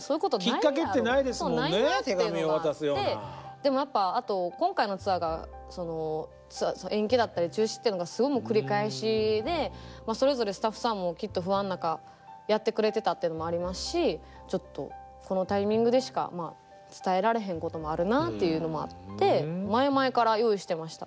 でもやっぱあと今回のツアーが延期だったり中止っていうのがすごい繰り返しでまあそれぞれスタッフさんもきっと不安の中やってくれてたというのもありますしちょっとこのタイミングでしか伝えられへんこともあるなっていうのもあって前々から用意してました。